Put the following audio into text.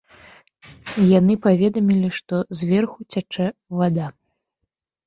Яны паведамілі, што зверху цячэ вада.